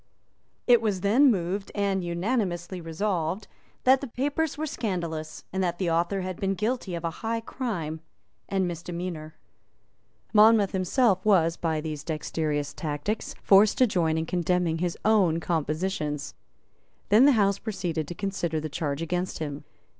It was then moved and unanimously resolved that the papers were scandalous, and that the author had been guilty of a high crime and misdemeanour. Monmouth himself was, by these dexterous tactics, forced to join in condemning his own compositions. Then the House proceeded to consider the charge against him.